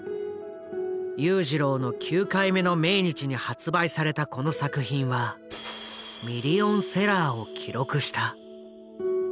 裕次郎の９回目の命日に発売されたこの作品はミリオンセラーを記録した。